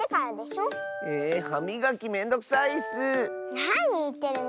なにいってるの。